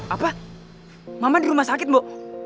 apa mama di rumah sakit bu